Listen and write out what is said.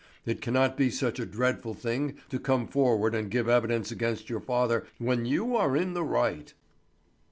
It cannot be such a dreadful thing to come forward and give evidence against your father when you are in the right!"